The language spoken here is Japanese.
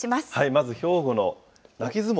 まず兵庫の泣き相撲。